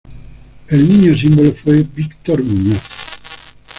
El niño símbolo fue Víctor Muñoz.